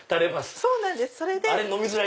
そうなんです。